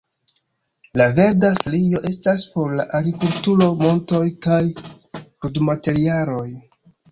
La verda strio estas por la agrikulturo, montoj kaj krudmaterialoj.